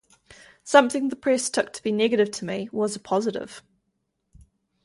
Something the press took to be negative to me was a positive...